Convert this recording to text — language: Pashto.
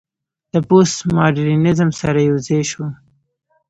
له پوسټ ماډرنيزم سره يوځاى شو